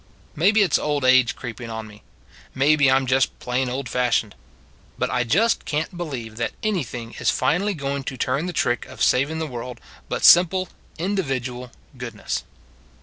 Maybe it s old age creeping on me; maybe I m just plain old fashioned. But I just can t believe that anything is finally going to turn the trick of saving the world but simple individual goodness.